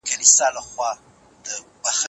افغانستان به یو ځل بیا اباد شي.